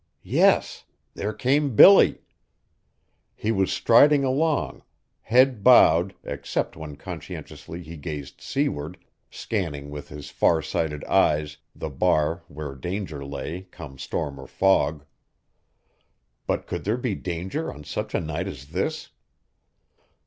Yes: there came Billy! He was striding along; head bowed, except when conscientiously he gazed seaward, scanning with his far sighted eyes the bar where danger lay, come storm or fog. But could there be danger on such a night as this?